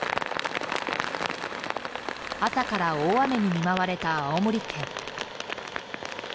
朝から大雨に見舞われた青森県。